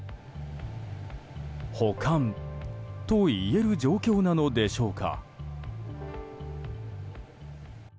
保管といえる状況なのでしょうか。